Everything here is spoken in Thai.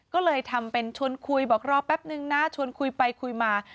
ก็เลยทำเป็นชวนคุยบอกรอแป๊บนึงนะชวนคุยไปคุยมา